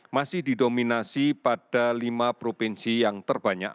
masih didominasi pada lima provinsi yang terbanyak